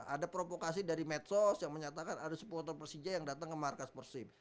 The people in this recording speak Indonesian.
ada provokasi dari medsos yang menyatakan ada supporter persija yang datang ke markas persib